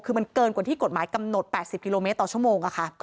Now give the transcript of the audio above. คือมันเกินกว่าที่กฎหมายกำหนด๘๐กิโลเมตรต่อชั่วโมง